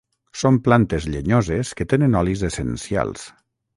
Són plantes llenyoses que tenen olis essencials.